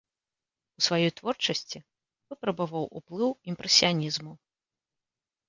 У сваёй творчасці выпрабаваў ўплыў імпрэсіянізму.